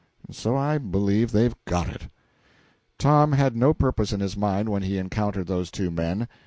And so I believe they've got it yet." Tom had no purpose in his mind when he encountered those two men.